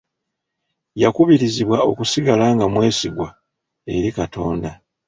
Yakubirizibwa okusigala nga mwesigwa eri Katonda.